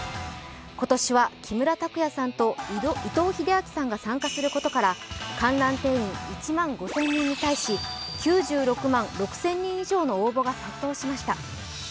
今年は木村拓哉さんと、伊藤英明さんが参加することから、観覧定員１万５０００人に対し９６万６０００人以上の応募が殺到しました。